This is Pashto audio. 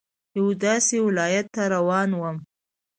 یوه داسې ولايت ته روان وم.